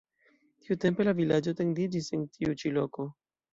Tiutempe la vilaĝo etendiĝis en tiu ĉi loko.